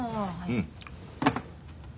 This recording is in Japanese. うん。